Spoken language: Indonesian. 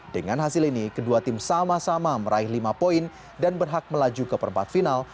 dengan hasil ini kedua tim sama sama meraih lima poin dan berhak melaju ke perempat final